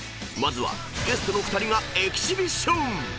［まずはゲストの２人がエキシビション］